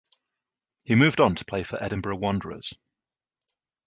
He moved on to play for Edinburgh Wanderers.